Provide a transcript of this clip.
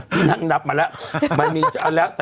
พี่นับมาแล้ว